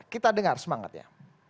kita dengar semangatnya